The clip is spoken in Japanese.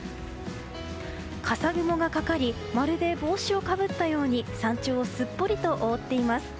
笠雲がかかりまるで帽子をかぶったように山頂をすっぽりと覆っています。